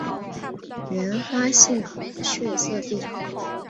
原发性血色病